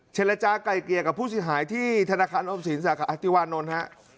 เจรจาไก่เกลี่ยกับผู้เสียหายที่ธนาคารออมสินสาขาอธิวานนท์ฮะ